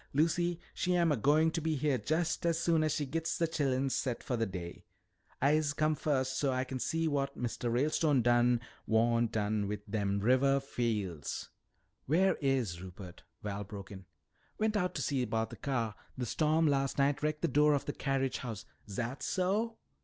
"Lucy, she am a goin' be heah jest as soon as she gits de chillens set for de day. I'se come fust so's Ah kin see wat Mistuh Ralestone done wan' done wi dem rivah fiel's " "Where is Rupert?" Val broke in. "Went out to see about the car. The storm last night wrecked the door of the carriage house " "Zat so?"